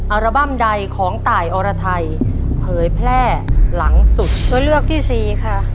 อัลบั้มใดของตายอรไทยเผยแพร่หลังสุดตัวเลือกที่สี่ค่ะ